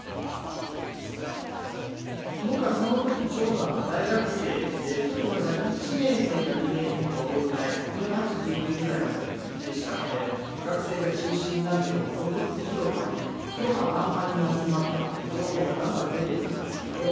僕はその時ちょうど大学生でちょっとごめんなさい１年生か２年生か覚えてないですけど１８１９ぐらいの時でしたので学生が中心になって独立広場に今日は何万人集まったっていう情報がだんだん出てくるんですけど